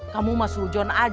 kamu masuk hujuan aja suk'an taa